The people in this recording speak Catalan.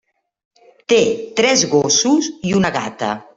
Té tres gossos i una gata.